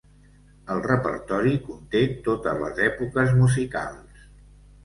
El repertori conté totes les èpoques musicals.